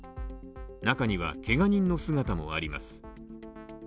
中には、けが人の姿もあります。